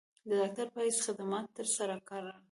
د ډاکټر پۀ حېث خدمات تر سره کړل ۔